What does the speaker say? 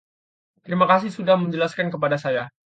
Terima kasih sudah menjelaksan kepada saya